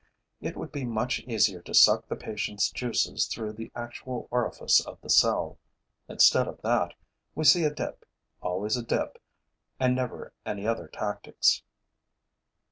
It would be much easier to suck the patient's juices through the actual orifice of the cell. Instead of that, we see a dip, always a dip and never any other tactics.